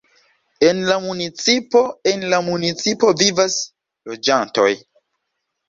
En la municipo En la municipo vivas loĝantoj.